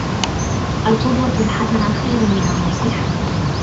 القدوة الحسنة خير من النصيحة